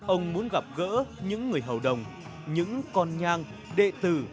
ông muốn gặp gỡ những người hầu đồng những con nhang đệ tử